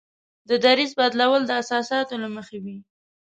د دریځ بدلول د احساساتو له مخې وي.